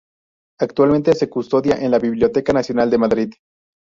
Actualmente se custodia en la Biblioteca Nacional de Madrid.